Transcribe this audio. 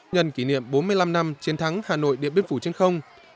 nhận kỷ niệm bốn mươi năm năm chiến thắng hà nội điện biên phủ trên không